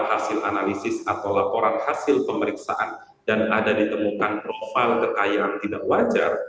hasil analisis atau laporan hasil pemeriksaan dan ada ditemukan profil kekayaan tidak wajar